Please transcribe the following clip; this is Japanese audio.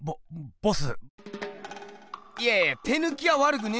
ボス。